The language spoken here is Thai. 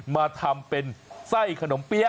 มาทำเป็นไส้ขนมเปี๊ยะ